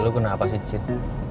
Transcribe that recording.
lo kenapa sih cit